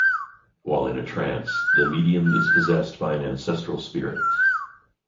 While in a trance, the medium is possessed by an ancestral spirit.